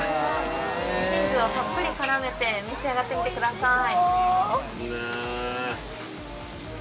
チーズをたっぷり絡めて召し上がってみてください。